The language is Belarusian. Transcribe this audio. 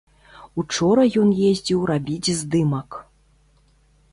Учора ён ездзіў рабіць здымак.